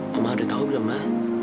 mama udah tahu belum ma